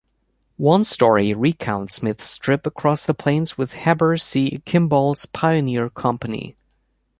One story recounts Smith's trip across the plains with Heber C. Kimball's pioneer company.